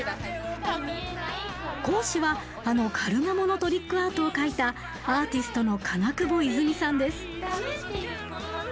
講師はあのカルガモのトリックアートを描いたアーティストの金久保いづみさんです。